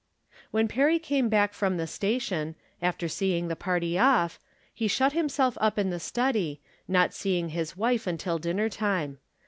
When Perry came back from the station, after seeing the party off, he shut himself up in the study, not Seeing his wife until dinner time.